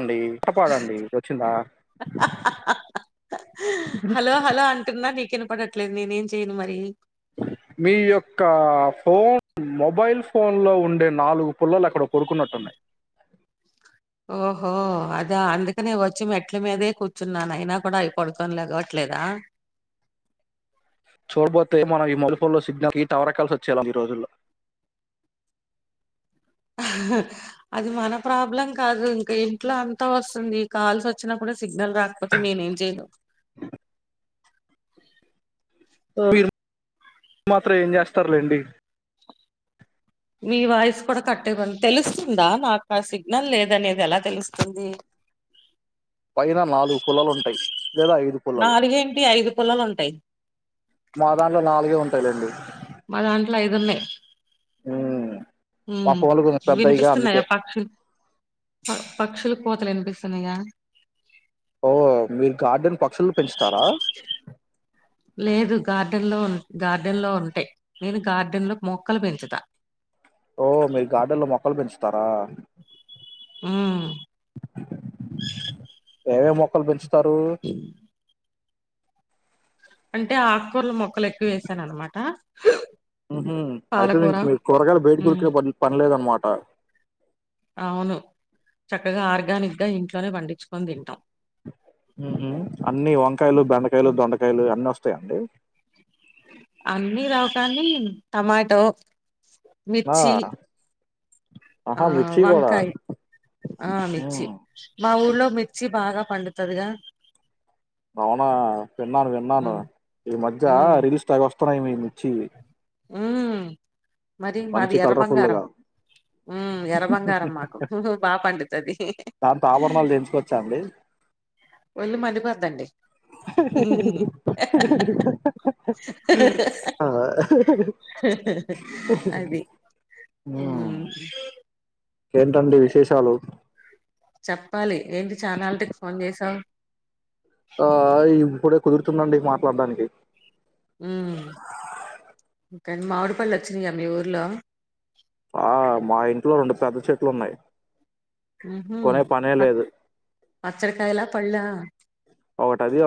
ఉండే కాపాడండి వచ్చిందా హలో హలో అంటున్న నీకు వినప పడట్లేదు నేనే ఏం చేయను మరి మీ యొక్క ఫోన్ మొబైల్ ఫోన్ లో ఉండే నాలుగు పుల్లలు అక్కడ పడుకున్నట్టున్నాయ్ ఓహో అదా అందుకనే వచ్చి మెట్ల మీదె కూర్చున్నాను అయినా కూడా అవి పడుకొని లెగవట్లేదా చూడబోతే మనం ఈ మొలుపుల్లో సిగ్నల్ కి టవర్ ఎక్కాల్సి వచ్చేల ఈ రోజుల్లో అది మన ప్రాబ్లం కాదు ఇంకా ఇంట్లో అంతా వస్తుంది కాల్స్ వచ్చినప్పుడ సిగ్నల్ రాకపోతే నేనే ఏం జేయను [unintelligible] మాత్రం ఏం చేస్తారులెండి మీ వాయిస్ కూడా కట్ ఐపోతుంది తెలుస్తుందా నాకు ఆ సిగ్నల్ లేదనేది ఎలా తెలుస్తుంది పైన నాలుగు పుల్లలు ఉంటాయ్ లేదా ఐదు పుల్లలు నాలుగేంటి ఐదు పుల్లలు ఉంటాయి మా దాంట్లో నాలుగే ఉ తలెండి మా దాంట్లో ఐదున్నయ్ ఉమ్, మా హ్మ్ ఫోన్లు కొంచెం పెద్దయిగా వినిపిస్తున్నాయా అందుకే పక్షు పక్షులు కోతలు వినిపిస్ తున్నయ ఓ మీరు గార్డన్ ప లేదు గార్డెన్ లో ఉ గార్డెన్ లో ఉంటయ్ నేను గార్డెన్ లో మొక్కలు పెంచుతా ఓ మీరు గార్డెన్ లో మొక్కలు పెంచుతారా హ్మ్ ఏమేమ్ మొక్కలు పెంచ్ తరు అంటే ఆకుకూరల మొక్కలు ఎక్కువ వేసాను అనమాట అయితే మి పాలకూర మీకు కూరగాయలు బయట ఉమ్ కొనుక్కునే పని పనిలేద్ అన్నమాట ఆ అవును చక్కగా ఆర్గానిక్ గా ఇంట్లోనే పండించుకొని తింటాం అన్నీ వంకాయలు బెండకాయలు దొండకాయలు అన్నోస్తాయా అండీ అన్నీ రావు కానీ టమాటో ఆ! మిర్చీ ఆ ఆహా! మిర్చి గూడా. వంకాయి ఆ మిర్చి హ్మ్. మా ఊర్లో మిర్చీ బాగా పండుతదిగా అవునా విన్నాను విన్నాను ఉమ్ ఈ మధ్య ఉమ్ రీల్స్ తెగ వ [unintelligible] మిర్చి ఉమ్... మరి మాది మంచి ఎర్ర బంగారం కలర్ఫుల్గా ఉమ్ ఎర్ర బంగారం మాకు బా పండుతది దాంతో ఆభరణాలు చేయించుకోవచ్చా అండి ఒళ్ళు మండిపోద్దండి అది ఉమ్ మ్మ్ ఏంటండి విశేషాలు చెప్పాలి ఏంటి చాల్నాటికి ఫోన్ చేసావు ఆ ఇప్పుడే కుదురుతుందండి మాట్లాడ్డానికి ఉమ్ కాని మామిడిపళ్ళు వచ్చినయ మీ ఊర్లో ఆ మా ఇంట్లో రెండు పెద్ద చెట్లు ఉన్నాయి ఉహూ కొనే పనే పచ్ పచ్చడికాయల పల్లా ఒకటి అది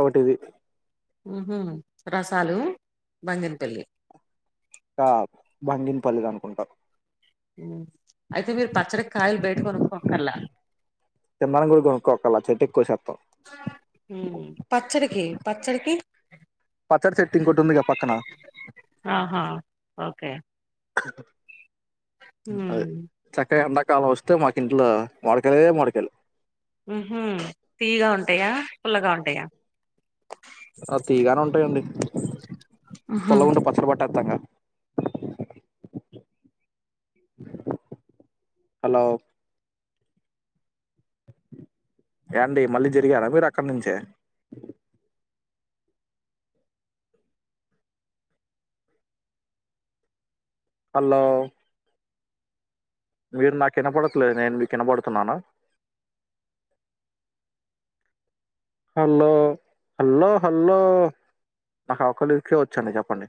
ఒకటి ఇది ఉహూ రసాలు బంగిన పల్లి ఇంకా బంగిన పల్లిది అనుకుంటా ఉమ్ అయితే మీరు పచ్చడి కాయలు బయట కొనుక్కో అక్కర్ల తినడానికి కూడా కొనుక్కోకల చెట్టు ఎక్కువ శాతం ఉమ్ పచ్చడికి పచ్చడికి పచ్చడి చెట్టు ఇంకోటి ఉందిగా పక్కన ఆహా ఓకే అదే మ్మ్ చక్కగా కాలం వస్తే మాకి ఇంట్ల మామిడ్కాయలే మామిడ్కాయలు ఉహూ తీయగా ఉంటాయా పుల్లగా ఉంటాయా ఆ తీయగానే ఉంటాయండి పుల్లగుంటే పచ్చ ఊహూ హలో ఏండి మళ్ళీ జరిగారా మీరు అక్కడి నుంచే హలో మీరు నాకు వినపడట్లేదు నేను మీకు వినపడుతున్నానా హలో హలో హలో నాకు అవకలికే వచ్చండి చెప్పండి